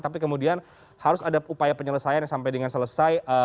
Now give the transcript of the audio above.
tapi kemudian harus ada upaya penyelesaian yang sampai dengan selesai